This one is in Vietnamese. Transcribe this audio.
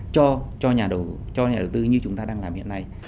cho nhà đầu tư như chúng ta đang làm hiện nay